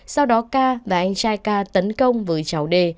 sau đó k và anh trai k tấn công với cháu d